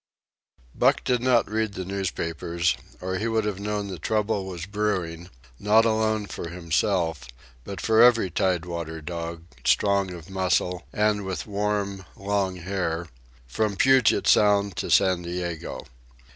Buck did not read the newspapers, or he would have known that trouble was brewing, not alone for himself, but for every tide water dog, strong of muscle and with warm, long hair, from Puget Sound to San Diego.